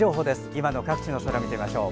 今の各地の空を見てみましょう。